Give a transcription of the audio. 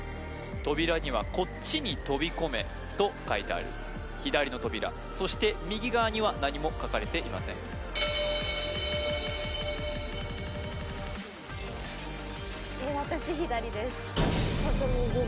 扉には「こっちに飛び込め」と書いてある左の扉そして右側には何も書かれていません私左ですボク右です